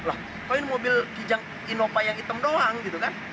lah kok ini mobil kijang innova yang hitam doang gitu kan